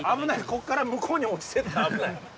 こっから向こうに落ちてったら危ない。